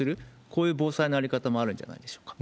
こういう防災の在り方もあるんじゃないでしょうか。